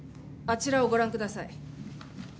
あちらをご覧ください